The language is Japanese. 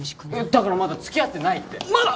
だからまだ付き合ってないってまだ！？